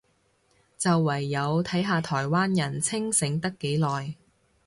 就唯有睇下台灣人清醒得幾耐